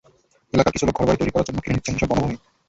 এলাকার কিছু লোক ঘরবাড়ি তৈরি করার জন্য কিনে নিচ্ছেন এসব বনভূমি।